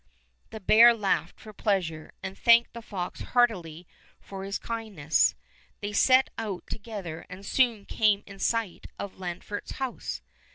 The bear laughed for pleasure, and thanked the fox heartily for his kindness. They set 154 Fairy Tale Bears out together and soon came in sight of Lanfert's house.